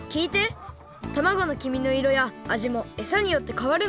たまごのきみの色やあじもえさによってかわるんだ。